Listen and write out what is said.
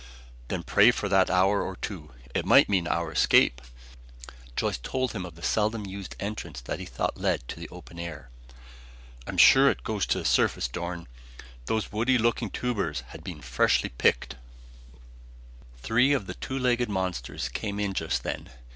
"Then pray for that hour or two. It might mean our escape!" Joyce told him of the seldom used entrance that he thought led to the open air. "I'm sure it goes to the surface, Dorn. Those woody looking tubers had been freshly picked." Three of the two legged monsters came in just then.